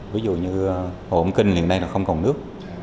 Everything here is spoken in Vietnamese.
ví dụ như hồ ông kinh hiện nay là không còn nước